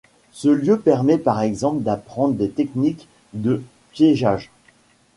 Ce lieu permet par exemple d'apprendre des techniques de piégeages.